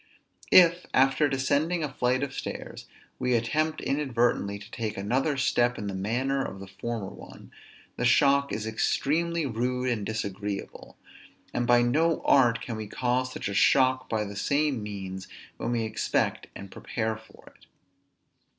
If, after descending a flight of stairs, we attempt inadvertently to take another step in the manner of the former ones, the shock is extremely rude and disagreeable: and by no art can we cause such a shock by the same means when we expect and prepare for it.